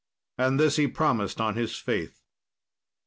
And this he promised on his faith.